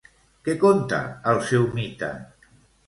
Què conta el seu mite?